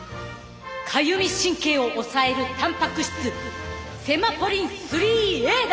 かゆみ神経を抑えるたんぱく質セマフォリン３Ａだ！